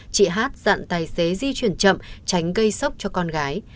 chị hát dặn tài xế di chuyển chậm tránh gây sốc cho con gái